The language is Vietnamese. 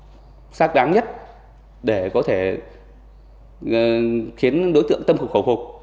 học sát đáng nhất để có thể khiến đối tượng tâm hồn khẩu phục